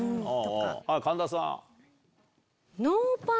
神田さん。